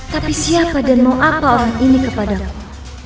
tapi siapa dan mau apa orang ini kepadamu